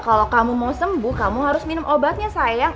kalau kamu mau sembuh kamu harus minum obatnya sayang